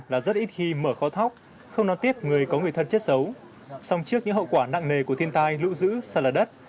ngay khi mở kho thóc không nói tiếp người có người thân chết xấu song trước những hậu quả nặng nề của thiên tai lũ giữ sạt lở đất